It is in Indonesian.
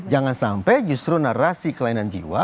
jangan sampai justru narasi kelainan jiwa